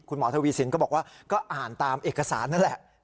คุณหมอทวีสินก็บอกว่าก็อ่านตามเอกสารนั่นแหละ